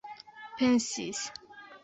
pensis